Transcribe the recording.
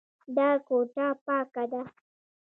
دا کوټه پاکه ده.